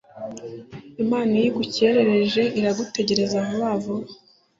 imana iyo igukereje iragutegera vuba vuba